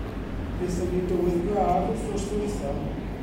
Gethon ni dywydd braf wythnos ddiwetha'.